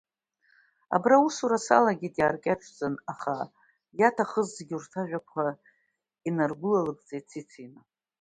Абра аусура салагеит, иааркьаҿӡаны, аха иаҭахыз зегьы урҭ ажәақәа инаргәылалыгӡеит Цицина.